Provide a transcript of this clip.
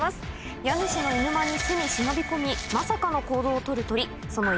家主のいぬ間に巣に忍び込みまさかの行動を取る鳥。